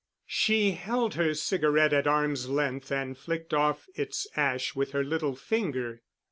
She held her cigarette at arm's length and flicked off its ash with her little finger.